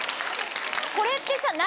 これってさ。